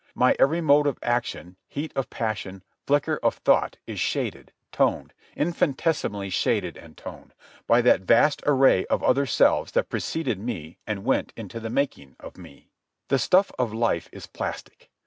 My every mode of action, heat of passion, flicker of thought is shaded, toned, infinitesimally shaded and toned, by that vast array of other selves that preceded me and went into the making of me. The stuff of life is plastic.